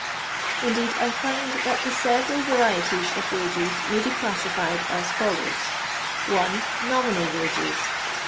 Indeed I find that the several varieties of wages may be classi fied as follows :— 1. Nominal Wages.